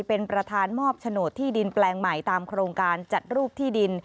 เป็นประธานมอบโฉนดที่ดินแปลงใหม่ตามโครงการจัดรูปที่ดิน